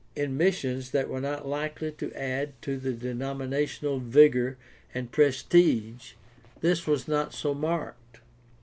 In missions that were not likely to add to the denomi national vigor and prestige this was not so marked.